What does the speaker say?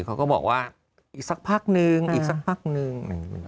เขาก็บอกว่าอีกสักพักนึงอีกสักพักนึง